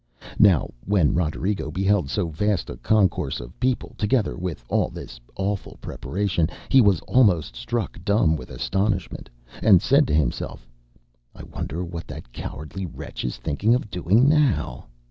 Now, when Roderigo beheld so vast a concourse of people, together with all this awful preparation, he was almost struck dumb with astonishment, and said to himself, ŌĆ£I wonder what that cowardly wretch is thinking of doing now?